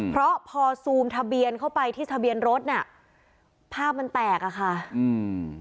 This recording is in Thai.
เพราะพอซูมทะเบียนเข้าไปที่ทะเบียนรถน่ะภาพมันแตกอ่ะค่ะอืม